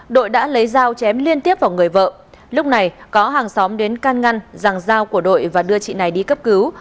đội đã lấy dao chém liên tiếp vào người vợ lúc này có hàng xóm đến can ngăn rằng dao của đội và đưa chị này đi cấp cứu